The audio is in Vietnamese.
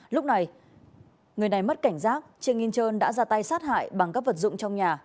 lúc này người này mất cảnh giác trương minh châu đã ra tay sát hại bằng các vật dụng trong nhà